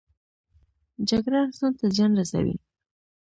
جګړه انسان ته زیان رسوي